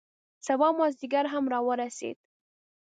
سبا مازدیګر هم را ورسید.